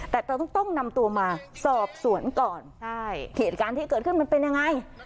แต่เราต้องต้องนำตัวมาสอบสวนก่อนใช่เหตุการณ์ที่เกิดขึ้นมันเป็นยังไง